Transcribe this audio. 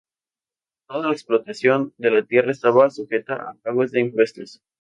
Toda la explotación de la tierra estaba sujeta a pagos de impuestos.